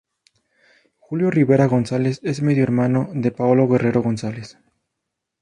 Julio Rivera Gonzales es medio hermano de Paolo Guerrero Gonzales.